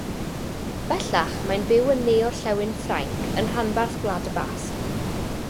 Bellach mae'n byw yn ne-orllewin Ffrainc yn rhanbarth Gwlad y Basg.